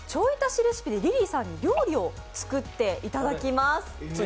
レシピでリリーさんに料理を作っていただきます。